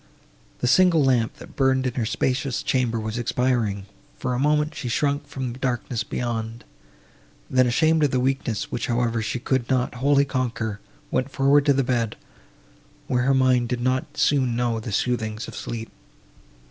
The single lamp, that burned in her spacious chamber, was expiring; for a moment, she shrunk from the darkness beyond; and then, ashamed of the weakness, which, however, she could not wholly conquer, went forward to the bed, where her mind did not soon know the soothings of sleep.